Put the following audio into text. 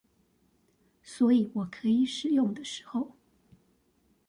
所以我可以使用的時候